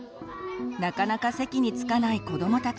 なかなか席に着かない子どもたち。